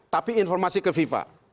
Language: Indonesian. tapi informasi ke fifa